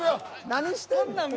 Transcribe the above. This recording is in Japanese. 何してんの。